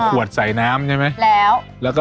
ใบแมงรัก